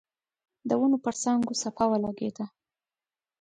د ونو پر څانګو څپه ولګېده.